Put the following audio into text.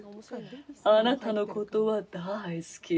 あなたのことは大好きよ。